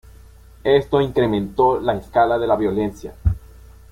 Esto incrementó la escala de la violencia.